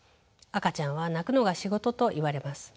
赤ちゃんは泣くのが仕事といわれます。